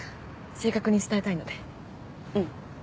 正確に伝えたいのうん